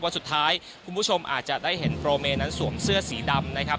สุดท้ายคุณผู้ชมอาจจะได้เห็นโปรเมนั้นสวมเสื้อสีดำนะครับ